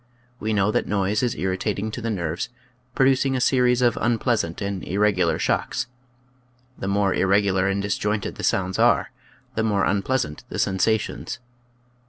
We know that noise is irritating to the nerves, producing a series of unpleasant and irregular shocks. The more irregular and disjointed the sounds are, the more unpleasant the sen sations.